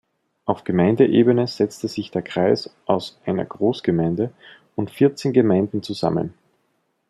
Auf Gemeindeebene setzt sich der Kreis aus einer Großgemeinde und vierzehn Gemeinden zusammen.